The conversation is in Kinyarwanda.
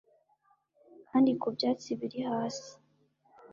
kandi ku byatsi biri hasi